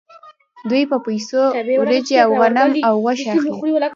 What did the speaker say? دوی په پیسو وریجې او غنم او غوښه اخلي